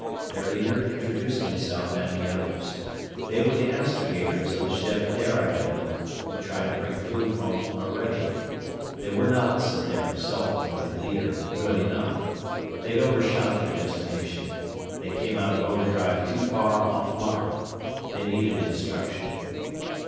Their leader introduced himself and the others. They were the astrogators of the ship Dara had built to try to bring food from Orede. They were not, said their self appointed leader, good enough. They'd overshot their destination. They came out of overdrive too far off line. They needed instruction.